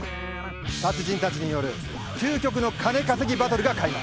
達人たちによる究極の金稼ぎバトルが開幕。